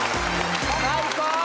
最高！